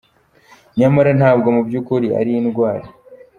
Nyamara ntabwo mu by`ukuri ari indwara.